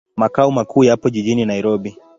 Makao makuu yapo jijini Nairobi.